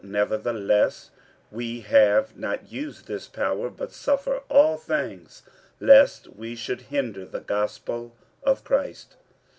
Nevertheless we have not used this power; but suffer all things, lest we should hinder the gospel of Christ.